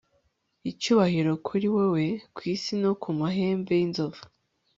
Icyubahiro kuri wewe kwisi no ku mahembe yinzovu